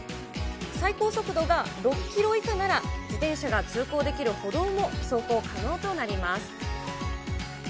最高速度が６キロ以下なら、自転車が通行できる歩道も走行可能となります。